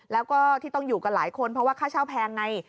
แล้วก็ที่ต้องอยู่กันหลายคนเพราะว่าค่าเช่าแพงไง